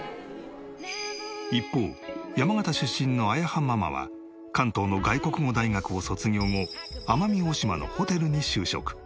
一方山形出身のあやはママは関東の外国語大学を卒業後奄美大島のホテルに就職。